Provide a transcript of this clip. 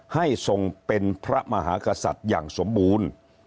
ทรงเป็นพระมหากษัตริย์อย่างสมบูรณ์